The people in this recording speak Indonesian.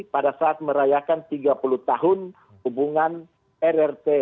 pada saat merayakan tiga puluh tahun hubungan rrt atau hubungan asean dan rrt